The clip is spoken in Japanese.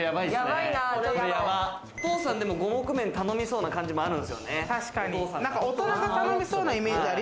お父さんは、でも五目麺頼みそうなる感じもあるんですよね。